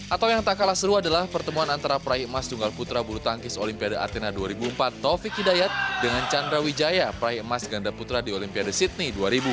atau yang tak kalah seru adalah pertemuan antara praikmas tunggal putra buru tangkis olimpiade athena dua ribu empat taufik hidayat dengan chandra wijaya praikmas ganda putra di olimpiade sydney dua ribu